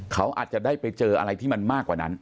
เขาอาจจะได้ไปเจออะไรที่มันมากกว่านั้น